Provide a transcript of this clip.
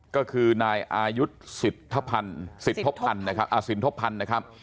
ก็คือนายอายุศิษฐพันธ์ศิษฐพพันธ์นะครับอ่าศิษฐพพันธ์นะครับ